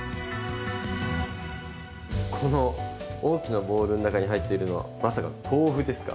この大きなボウルの中に入っているのはまさか豆腐ですか？